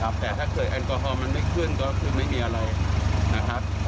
แต่ถ้าเกิดแอลกอฮอลมันไม่ขึ้นก็คือไม่มีอะไรนะครับ